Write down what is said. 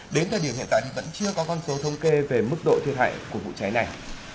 đến thời điểm hiện tại thì vẫn chưa có con số thông kê về mức độ thiệt hại của vụ cháy này